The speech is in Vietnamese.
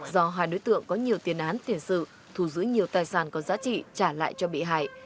do hai đối tượng có nhiều tiền án tiền sự thù giữ nhiều tài sản có giá trị trả lại cho bị hại